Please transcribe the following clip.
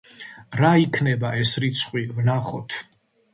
რა იქნება ეს რიცხვი ვნახოთ.